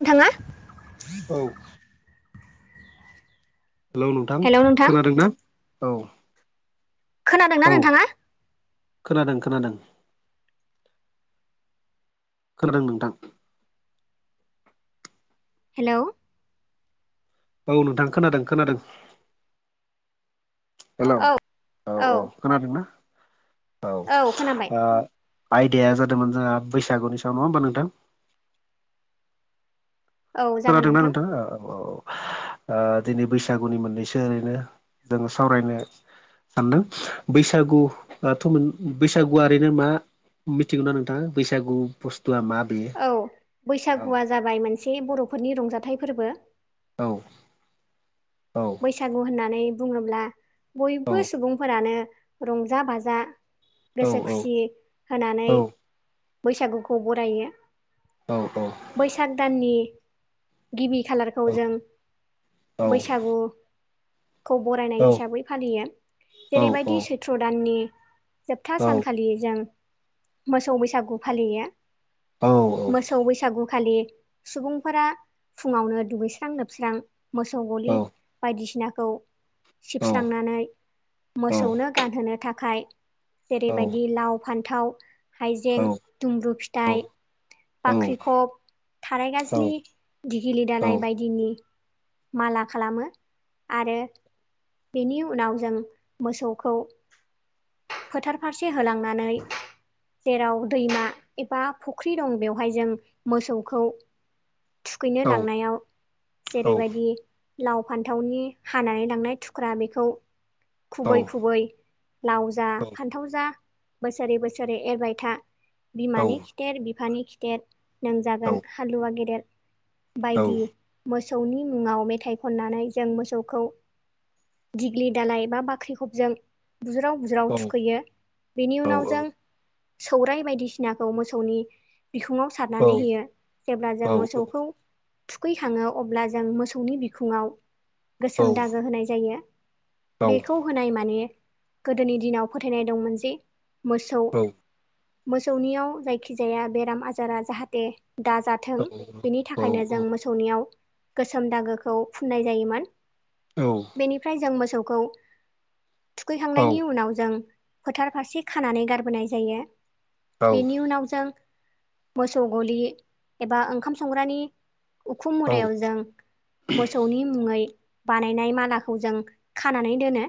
नोंथाङा औ हेलौ नोंथां खोनादों ना औ खोनादों ना औ नोंथाङा खोनादों खोनादों खोनादों नोंथां हेल' औ नोंथां खोनादों खोनादों हेलौ औ औ औ खोनादोंना औ आयदाया जादोंमोन जोंहा बैसागुनि सायाव नङा होमबा नोंथां औ जागोन खोनादोंना नोंथां नोंथाङा औ ओ दिनै बैसागुनि मोननैसो ओरैनो जोङो सावरायनो सानदों बैसागुआथ' बैसागुआ ओरैनो मा मिथिगौ ना नोंथाङा बैसागु बुस्थुआ मा बेयो औ औ बैसागुआ जाबाय मोनसे बर'फोरनि रंजाथाइ फोरबो औ औ बैसागु होननानै बुङोब्ला औ बयबो सुबुंफोरानो रंजा बाजा औ गोसो खुसि होनानै औ बैसागुखौ बरायो औ बैसाग दाननि गिबि खालारखौ जों औ बैसागुखौ बरायनाय औ हिसाबै फालियो औ जेरैबायदि सैथ सैत्र दाननि जोबथा सानखालि जों मोसौ बैसागु फालियो औ मोसौ बैसागुखालि सुबुंफोरा फुङावनो दुगैस्रां लोबस्रां मोसौ गलि बायदिसिनाखौ सिबस्रांनानै मोसौनो गानहोनो थाखाय जेरैबायदि लाव फान्थाव हाइजें दुम्ब्रु औ फिथाइ बाख्रिखब थाराय गाजलि धिगिलि दालाय बायदिनि माला खालामो आरो बेनि उनाव जों मोसौखौ फोथार फारसे होलांनानै जेराव दैमा एबा फुख्रि दं बेवहाय जों मोसौखौ थुखैनो लांनायाव जेरैबायदि लाव फान्थावनि हानानै लांनाय थुख्रा बेखौ खुबै खुबै लाव जा फान्थाव जा बोसोरै बोसोरै एरबाय था बिमानि खिथेर बिफानि खिथेर नों जागोन हालुवा गेदेर बायदि मोसौनि मुङाव मेथाइ खननानै जों मोसौखौ दिग्लि दालाय बा बाख्रिखबजों बुज्राव बुज्राव थुखैयो बेनि उनाव जों सौराय बायदिसिनाखौ मोसौनि बिखुङाव सारनानै होयो जेब्ला जों मोसौखौ थुखैखाङो अब्ला जों मोसौनि बिखुङाव गोसोम दागो होनाय जायो बेखौ होनाय माने गोदोनि दिनाव फोथायनाय दंमोन जे मोसौ मोसौनियाव जायखिजाया बेराम आजारा जाहाथे दाजाथों बेनि थाखाय नो जों मोसौनियाव गोसोम दागोखौ फुननाय जायोमोन औ बेनिफ्राय जों मोसौखौ थुखैखांनायनि उनाव जों फोथार फारसे खानानै गारबोनाय जायो बेनि उनाव जों मोसौ गलि एबा ओंखाम संग्रानि उखुम मुदायाव जों मोसौनि मुङै बानायनाय मालाखौ जों खानानै दोनो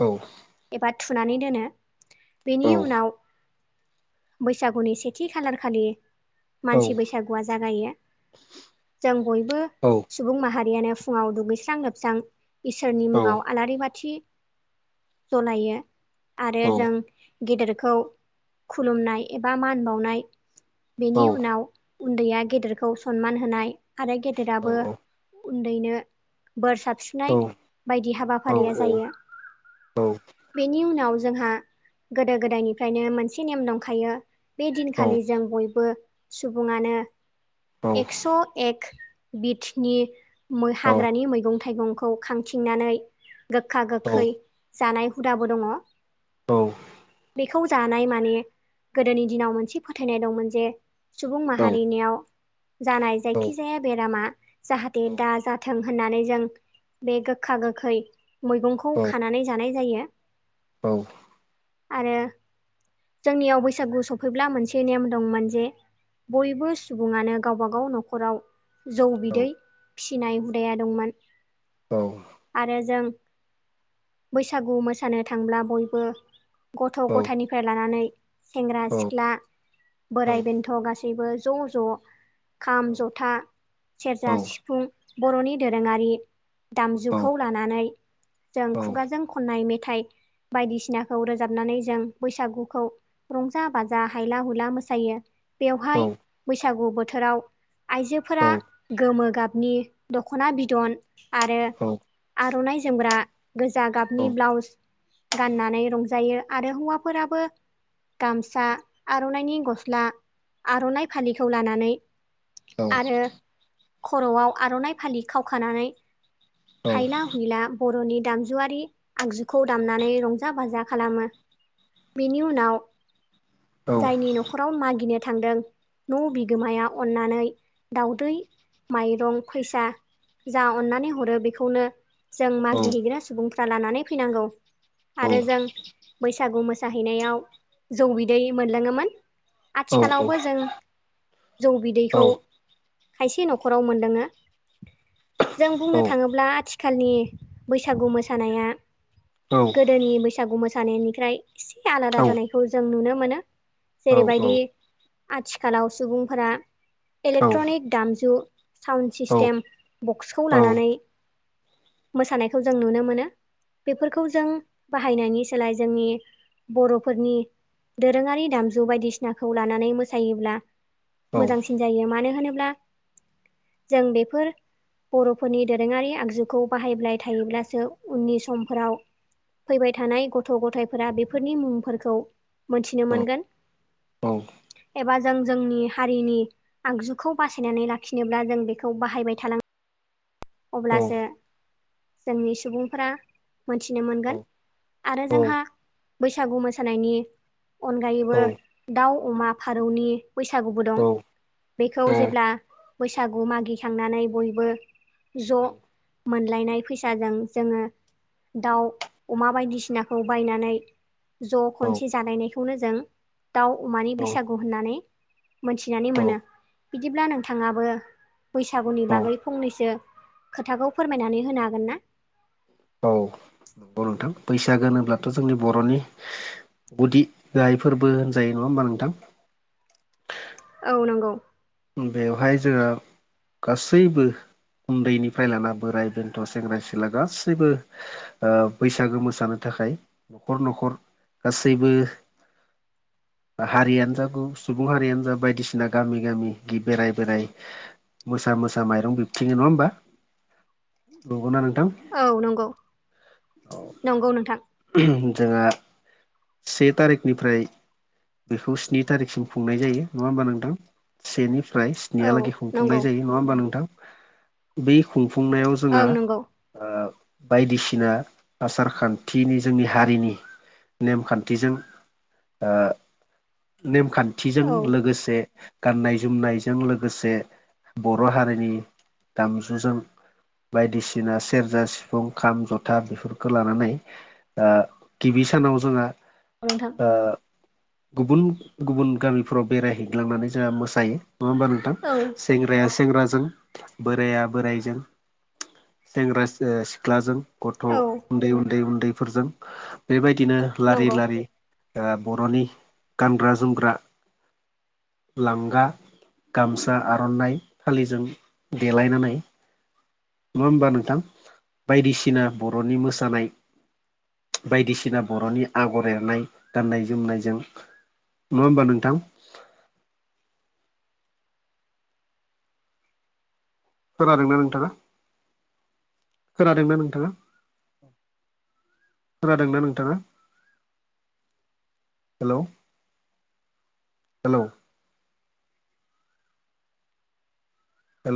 औ एबा थुनानै दोनो बेनि उनाव बैसागुनि सेथि खालारखालि मानसि बैसागुआ जागायो जों बयबो सुबुं माहारि रियानो फुङाव दुगैस्रां लोबस्रां इसोरनि मुुङाव आलारि बाथि जलायो आरो जों गेदेरखौ खुलुमनाय एबा मान बावनाय बेनि उनाव उन्दैया गेदेरखौ सनमान होनाय आरो गेदेराबो उन्दैनो बोर सारस्रिनाय बायदि हाबाफारिया जायो औ बेनि उनाव जोंहा गोदो गोदायनिफ्रायनो मोनसे नेम दंखायो बे दिनखालि जों बयबो सुबुङानो एक्स' एक बिटनि हाग्रानि मैगं थाइगंखौ खांथिंनानै गोखा गोखै जानाय हुदाबो दङ औ बेखौ जानाय माने गोदोनि दिनाव मोनसे फोथायनाय दंमोन जे सुबुं माहारिनियाव जानाय जायखिजाया बेरामा दे दा जाथों होननानै जों बे गोखा गोखै मैगंखौ खानानै जानाय जायो औ आरो जोंनियाव बैसागु सफैब्ला मोनसे नेम दंमोन जे बयबो सुबुङानो गावबा गाव न'खराव जौ बिदै फिसिनाय हुदाया दंमोन। औ आरो जों बैसागु मोसानो थांब्ला बयबो गथ' औ गथायनिफ्राय लानानै सेंग्रा सिख्ला बोराइ बेन्थ' गासैबो ज' ज' खाम जथा सेरजा सिफुं बर'नि दोरोङारि दामजुखौ लानानै जों खुगाजों खननाय मेथाइ बायदिसिनाखौ रोजाबनानै जों बैसागुखौ रंजा बाजा हायला हुला मोसायो बेवहाय बैसागु बोथोराव आइजोफोरा गोमो गाबनि दख'ना बिदन आरो औ आर'नाइ जोमग्रा गोजा गाबनि ब्लाउस गाननानै रंजायो आरो हौवा फोराबो गामसा आर'नाइनि गस्ला आर'नाइ फालिखौ लानानै आरो खर'आव आर'नाइ फालि खावखानानै हायला हुइला बर'नि दामजुआरि आगजुखौ दामनानै रंजा बाजा खालामो। बेनि उनाव जायनि नखर न'खराव मागिनो थांदों न' बिगोमाया अननानै दाउदै माइरं फैसा जा अननानै हरो बेखौनो जों मागि हैैग्रा सुबुंफ्रा लानानै फैनांगौ आरो जों बैसागु मो साहैनायाव जौ बिदै मोनलोङोमोन। आथिखालावबो जों जौ बिदैखौ खायसे न'खराव मोनलोङो जों बुंनो थाङोब्ला आथिखाल नि बैसागु मोसानाया औ औ गोदोनि बैसागु मोसानायनिफ्राय एसे आलादा जानायखौ जों नुनो मोनो जेरैबायदि आथिखालाव सुबुंफोरा इलेक्ट्रनिक दामजु साउन्ड सिस्टेम बक्सखौ लानानै मोसानायखौ जों नुनो मोनो बेफोरखौ जों बाहायनायनि सोलाय जोंनि बर'फोरनि दोरोङारि दामजु बायदिसिनाखौ लानानै मोसायोब्ला मोजांसिन जायो मानो होनोब्ला जों बेफोर बर'फोरनि दोरोङारि आगजुखौ बाहायाय थायोब्लासो उननि समफोराव फैबाय थानाय गथ' गथायफोरा बे बेफोरनि मुंफोरखौ मोनथिनो मोनगोन। एबा जों जोंनि हारिनि आगजुखौ बासायनानै लाखिनोब्ला जों बेखौ बाहायबाय थानां अब्लासो जोंनि सुबुंफोरा मोनथिनो मोनगोन आरो जोंहा बैसागु मोसानायनि अनगायैबो दाउ अमा फारौनि बैसागुबो दं बेखौ जेब्ला बैसागु मागिखांनानै बयबो ज' मोनलायनाय फैसाजों जोङो दाउ अमा बायदिसिनाखौ बायनानै ज' खनसे जालायनायखौनो जों दाउ अमानि बैसागु होननानै मोनथिनानै मोनो बिदिब्ला नोंथाङाबो बैसागुनि बागै फंनैसो खोथाखौ फोरमायनानै होनो हागोन ना? औ नंगौ नोंथां बैसागोनोब्लाथ' जोंनि बर'नि गुदि गाहाय फोरबो होनजायो नङा होमबा नोंथां औ नंगौ बेवहाय जोङो गासैबो उन्दैनिफ्राय लाना बोराइ बेन्थ' सेंग्रा सिख्ला गासैबो बैसागो मोसानो थाखाय न'खर न'खर गासैबो हारियानो जा सुबुं हारियानो जा बायदिसिना गामि गामि बेराय बेराय मोसा मोसा माइरं बिबथिङो नङा होमबा नंगौना नोंथां औ नंगौ औ नंगौ नोंथां जोंहा से थारिखनिफ्राय बेखौ स्नि तारिखसिम खुंनाय जायो नङा होमबा नोंदां सेनिफ्राय औ नेनिहालागै नंगौ खुंफुंनाय जायो नङा होमबा नोंथां बै खुंफुंनायाव जोंहा ओं नंगौ बायदिसिना आसार खान्थिनि जोंनि हारिनि नेमखान्थिजों ओ नेमखान्थिजों औ लोगोसे गाननाय जोमनायजों लोगोसे बर' हारिनि दामजुजों बायदिसिना सेरजा सिफुं खाम जथा बेफोरखौ लानानै गिबि सानाव जोंहा नोंथां गुबुन गुबुन गामिफोराव बेरायहैग्लांनानै जोंहा मोसायो नङा होमबा नो औ सेंग्राया सेंग्राजों बोराया बोराइजों सेंग्रा सिख्लाजों गथ' औ उन्दै उन्दै उन्दैफोरजों बेबायदिनो लारि नंगौ लारि बर'नि गानग्रा जोमग्रा लांगा गामसा आर'नाइ फालिजों देलायनानै नङा होमबा नोंथां बायदिसिना बर'नि मोसानाय बायदिसिना बर'नि आगर एरनाय गाननाय जोमनायजों नङा होमबा नोंथां खोनादोंना नोंथाङा खोनादोंना नोंथाङा खोनादों ना नोंथाङा हेल' हेल' हेलौ